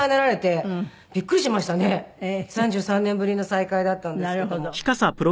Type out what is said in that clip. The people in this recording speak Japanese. ３３年ぶりの再会だったんですけども。